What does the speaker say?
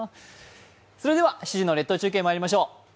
それでは７時の列島中継まいりましょう。